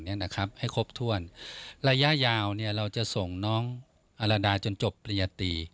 เนี้ยนะครับให้ครบถ้วนระยะยาวเนี้ยเราจะส่งน้องอรรดาจนจบประยะตี